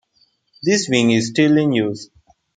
This wing is still in use.